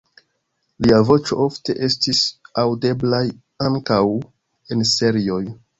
Lia voĉo ofte estis aŭdeblaj ankaŭ en serioj.